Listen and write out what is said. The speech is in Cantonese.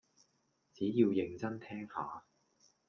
只要認真聽下